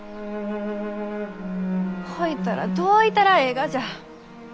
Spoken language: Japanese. ほいたらどういたらえいがじゃ？